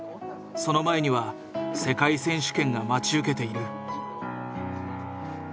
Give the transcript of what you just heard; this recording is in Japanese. その前には世界選手権が待ち受けている。